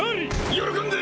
喜んで！